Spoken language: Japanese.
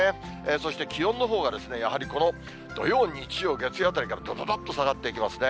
そして気温のほうが、やはりこの土曜、日曜、月曜あたりからどどどっと下がっていきますね。